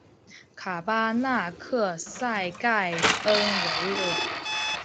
卡巴纳克塞盖恩维尔。